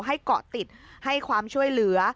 เกาะติดให้ความช่วยเหลือ